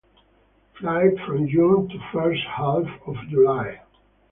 Flight from June to first half of July.